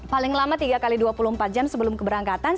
paling lama tiga x dua puluh empat jam sebelum keberangkatan